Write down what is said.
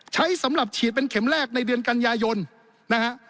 ใช้สำหรับฉีดเป็นเข็มแรกในเดือนกันยายนนะฮะ